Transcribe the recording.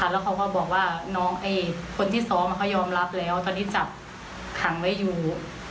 แล้วเขาก็บอกว่าน้องคนที่ซ้อมก็ยอมรับแล้วตอนนี้จับขังไว้อยู่